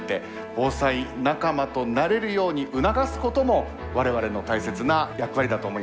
防災仲間となれるように促すことも我々の大切な役割だと思います。